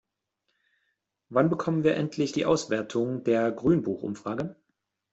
Wann bekommen wir endlich die Auswertung der Grünbuch-Umfrage?